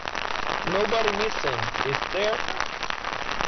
Nobody missing, is there?